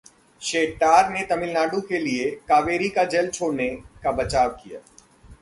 शेट्टार ने तमिलनाडु के लिए कावेरी का जल छोड़ने का बचाव किया